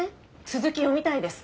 続き読みたいです。